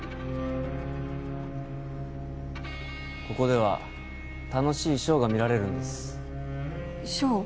ここでは楽しいショーが見られるんですショー？